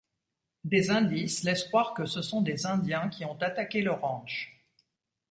Des indices laissent croire que ce sont des indiens qui ont attaqué le ranch.